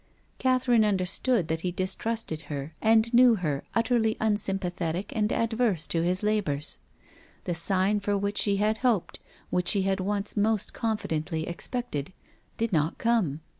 Catherine understood that he distrusted her and knew her utterly unsym pathetic and adverse to his labours. The sign for which she had hoped, which she had once most confidently expected, did not come.